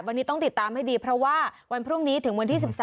วันนี้ต้องติดตามให้ดีเพราะว่าวันพรุ่งนี้ถึงวันที่๑๓